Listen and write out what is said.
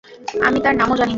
আমি তার নামও জানি না।